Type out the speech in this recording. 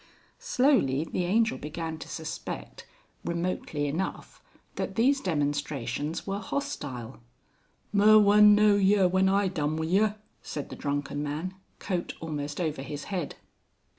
Slowly the Angel began to suspect, remotely enough, that these demonstrations were hostile. "Mur wun know yer when I done wi' yer," said the drunken man, coat almost over his head.